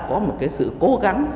có một cái sự cố gắng